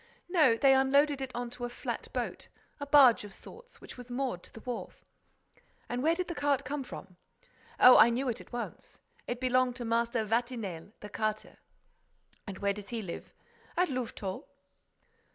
"No, they unloaded it onto a flat boat, a barge of sorts, which was moored to the wharf." "And where did the cart come from?" "Oh, I knew it at once. It belonged to Master Vatinel, the carter." "And where does he live?" "At Louvetot."